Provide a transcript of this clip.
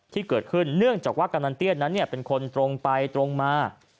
ที่เกิดขึ้นเนื่องจากว่ากำนันเตี้ยนนั้นเป็นคนตรงไปตรงมา